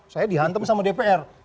saya dihantam sama dpr